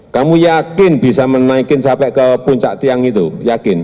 kamu yakin bisa menaikin sampai ke puncak tiang itu yakin